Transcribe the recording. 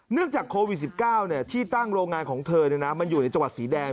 จากโควิด๑๙ที่ตั้งโรงงานของเธอมันอยู่ในจังหวัดสีแดง